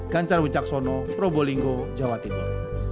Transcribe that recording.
ganjar wicaksono probolinggo jawa timur